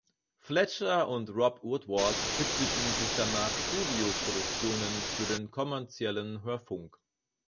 Fletcher und Rob Woodward widmeten sich danach Studioproduktionen für den kommerziellen Hörfunk.